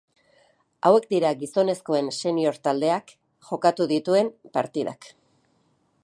Hauek dira Gizonezkoen senior taldeak jokatu dituen partidak.